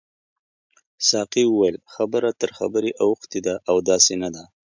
ساقي وویل خبره تر خبرې اوښتې ده او داسې نه ده.